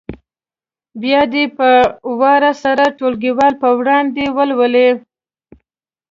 بیا دې په وار سره ټولګیوالو په وړاندې ولولي.